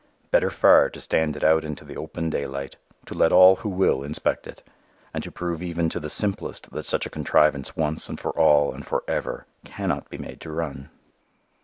Better far to stand it out into the open daylight, to let all who will inspect it, and to prove even to the simplest that such a contrivance once and for all and for ever cannot be made to run.